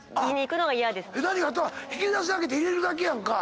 あとは引き出し開けて入れるだけやんか。